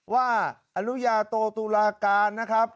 ว่าอนุญาโตตุลาการนะครับ